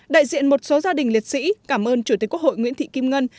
đại diện một số gia đình liệt sĩ cảm ơn chủ tịch quốc hội nguyễn thị kim ngân